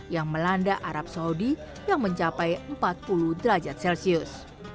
yang melanda arab saudi yang mencapai empat puluh derajat celcius